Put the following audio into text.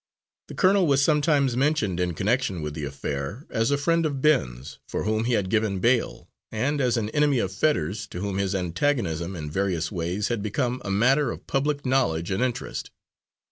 The colonel was sometimes mentioned, in connection with the affair as a friend of Ben's, for whom he had given bail, and as an enemy of Fetters, to whom his antagonism in various ways had become a matter of public knowledge and interest.